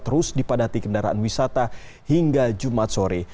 terus dipadati kendaraan wisata hingga jumat sore